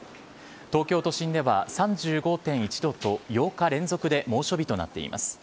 東京都心では３５．１度と、８日連続で猛暑日となっています。